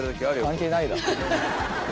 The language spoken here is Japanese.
関係ないだろ。